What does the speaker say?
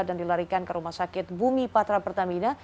dan dilarikan ke rumah sakit bumi patra pertamina